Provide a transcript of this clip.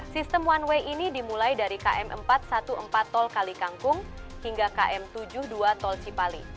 sistem one way ini dimulai dari km empat ratus empat belas tol kalikangkung hingga km tujuh puluh dua tol cipali